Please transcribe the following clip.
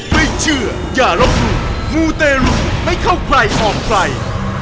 ไม่เชื่ออย่าลบหลู่มูเตรุไม่เข้าใครออกใคร